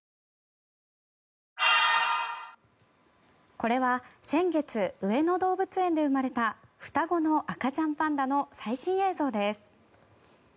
これは先月、上野動物園で生まれた双子の赤ちゃんパンダの最新映像です。